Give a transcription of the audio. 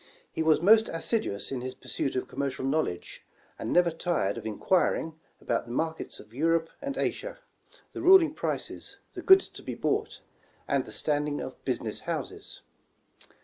He was most assidious in his x^ursuit of commercial knowledge, and never tired of enquiring about the market^ of Europe and Asia, the ruling prices, the goods to be bought, and the stand ing of business houses.